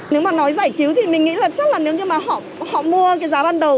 nếu mà nói giải cứu thì mình nghĩ là chắc là nếu như mà họ mua cái giá ban đầu